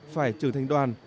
phải trở thành đoàn